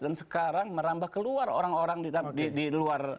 dan sekarang merambah keluar orang orang di luar